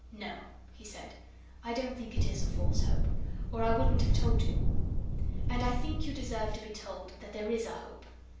"No," he said, "I don't think it's a false hope, or I wouldn't have told you. And I think you deserve to be told that there IS a hope."